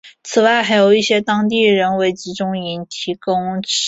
此外还有一些当地人为集中营提供食品。